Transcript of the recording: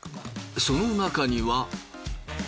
その中には。